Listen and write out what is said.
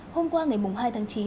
hôm qua ngày hai tháng chín